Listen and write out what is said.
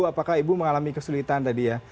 apakah ibu mengalami kesulitan tadi ya